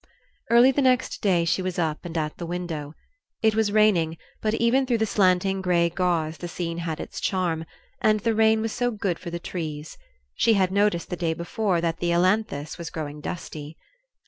Early the next day she was up and at the window. It was raining, but even through the slanting gray gauze the scene had its charm and then the rain was so good for the trees. She had noticed the day before that the ailanthus was growing dusty.